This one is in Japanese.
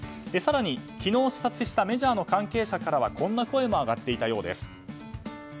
更に、昨日視察したメジャーの関係者からはこんな声も上がっていたようです。